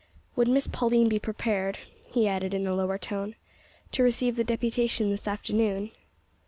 Would Miss Pauline be prepared," he added in a lower tone, "to receive the deputation this afternoon?"